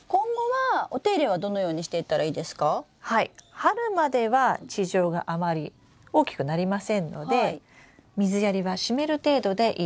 春までは地上があまり大きくなりませんので水やりは湿る程度でいいです。